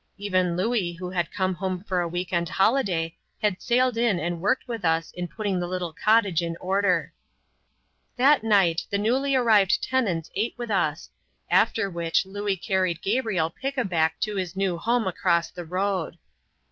Even Louis who had come home for a week end holiday had sailed in and worked with us in putting the little cottage in order. That night the newly arrived tenants ate with us, after which Louis carried Gabriel pick a back to his new home across the road.